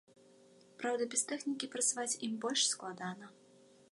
Праўда, без тэхнікі працаваць ім больш складана.